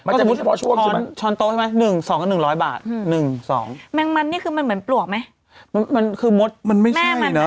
มันจะมุดเฉพาะช่วงใช่มั้ย